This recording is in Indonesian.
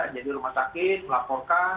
jadi rumah sakit melaporkan